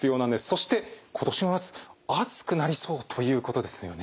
そして今年の夏暑くなりそうということですよね。